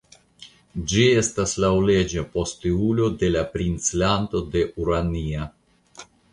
Ĝi estas la laŭleĝa posteulo de la Princlando de Urania.